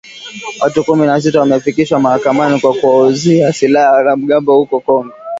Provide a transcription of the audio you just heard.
Watu kumi na sita wamefikishwa mahakamani kwa kuwauzia silaha wanamgambo huko Kongo